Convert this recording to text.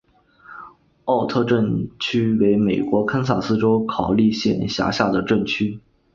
奥特镇区为美国堪萨斯州考利县辖下的镇区。